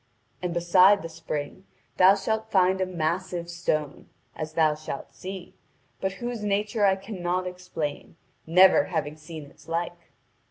And beside the spring thou shalt find a massive stone, as thou shalt see, but whose nature I cannot explain, never having seen its like.